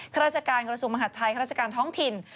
ครัศจักรกรสุองร์มหาธัยครัศจักรท้องถิ่น